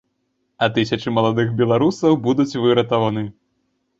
А тысячы маладых беларусаў будуць выратаваны.